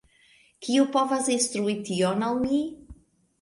Kiu povas instrui tion al mi?